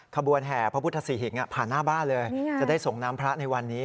ขบวนแห่พระพุทธศรีหิงผ่านหน้าบ้านเลยจะได้ส่งน้ำพระในวันนี้